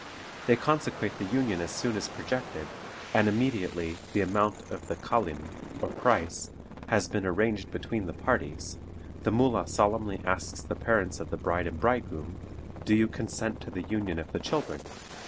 They consecrate the union as soon as projected, and immediately the amount of the kalym, or price, has been arranged between the parties, the moolah solemnly asks the parents of the bride and bridegroom, "Do you consent to the union of the children?"